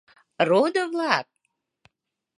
— Родо-влак!